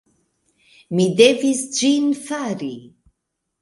Mi devis ĝin fari.